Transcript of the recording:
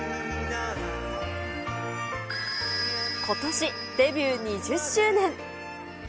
ことし、デビュー２０周年。